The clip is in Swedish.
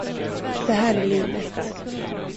Det här är livet.